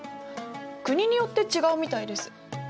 国によって違うみたいです。